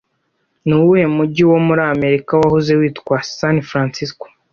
Nuwuhe mujyi wo muri Amerika wahoze witwa San Francisco